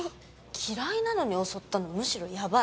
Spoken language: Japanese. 嫌いなのに襲ったのむしろやばい。